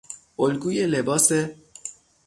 الگوی لباس